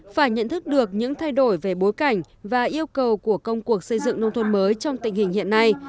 phải nhận thức được những thay đổi về bối cảnh và yêu cầu của công cuộc xây dựng nông thôn mới trong tình hình hiện nay